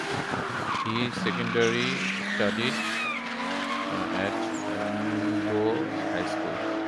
He secondary studied at Ningbo High School.